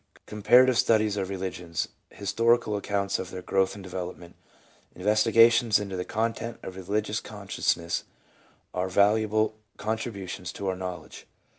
Comparative studies of religions, histor ical accounts of their growth and development, investigations into the contents of the religious consciousness, are valuable contributions to our knowledge.